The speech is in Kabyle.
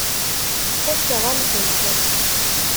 Fakeɣ-am-tent.